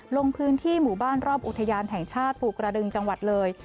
ลงพื้นที่หมู่บ้านรอบอุทยานแห่งชาติภูกระดึงจังหวัดเลย